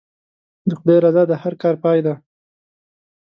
د خدای رضا د هر کار پای دی.